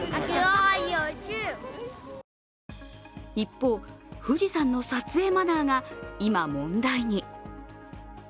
一方、富士山の撮影マナーが今問題に。